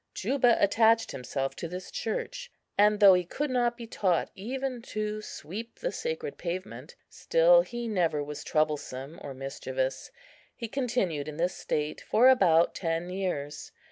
Juba attached himself to this church; and, though he could not be taught even to sweep the sacred pavement, still he never was troublesome or mischievous. He continued in this state for about ten years.